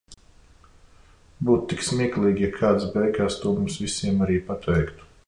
Būtu tik smieklīgi, ja kāds beigās to mums visiem arī pateiktu.